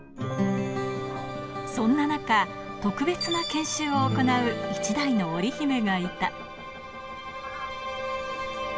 そんな中、特別な研修を行う、１台のオリヒメがいた。